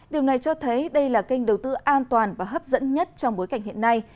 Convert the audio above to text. điều này cho thấy đây là kênh đầu tư an toàn và hấp dẫn nhất trong bối cảnh hiện nay